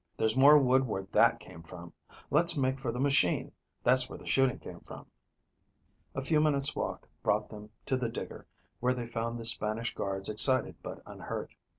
There's more wood where that came from. Let's make for the machine; that's where the shooting came from." A few minutes' walk brought them to the digger, where they found the Spanish guards excited but unhurt.